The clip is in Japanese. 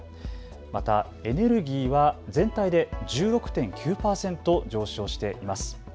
またエネルギーは全体で１６．９％上昇しています。